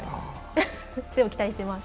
でも、期待してます。